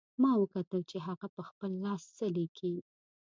ما وکتل چې هغه په خپل لاس څه لیکي